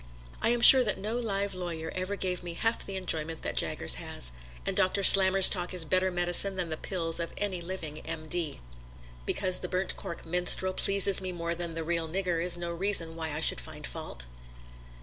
I am sure that no live lawyer ever gave me half the enjoyment that Jaggers has, and Doctor Slammers' talk is better medicine than the pills of any living M.D. Because the burnt cork minstrel pleases me more than a real "nigger" is no reason why I should find fault!